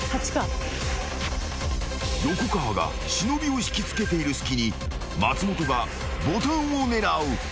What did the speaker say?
［横川が忍を引き付けている隙に松本がボタンを狙う］